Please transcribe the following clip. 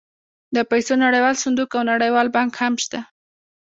د پیسو نړیوال صندوق او نړیوال بانک هم شته